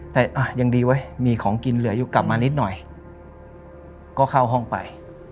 แต่ยังดีเว้ยมีของกินเหลืออยู่กลับมานิดหน่อยก็เข้าห้องไป